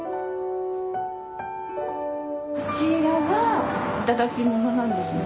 こちらは頂きものなんですね。